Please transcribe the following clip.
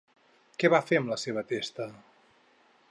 Què va fer amb la seva testa?